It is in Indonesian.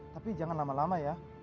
tapi jangan lama lama ya